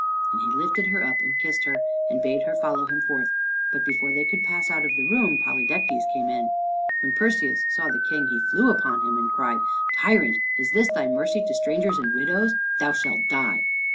And he lifted her up and kissed her, and bade her follow him forth. But before they could pass out of the room Polydectes came in. When Perseus saw the King, he flew upon him and cried, "Tyrant! is this thy mercy to strangers and widows? Thou shalt die."